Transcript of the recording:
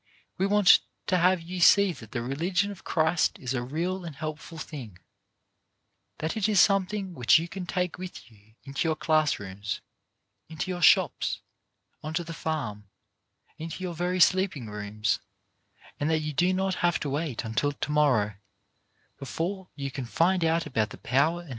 We want to have you see that the religion of Christ is a real and helpful thing; that it is something which you can take with you into your class rooms, into your shops, on to the farm, into your very sleeping rooms, and that you do not have to wait until to morrow before you can find out about the power and.